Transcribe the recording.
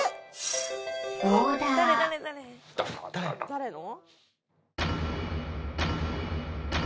誰の？